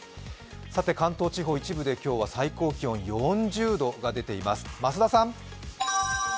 関東地方、一部で最高気温４０度が出ています、増田さん。